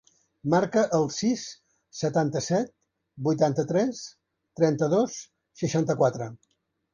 Marca el sis, setanta-set, vuitanta-tres, trenta-dos, seixanta-quatre.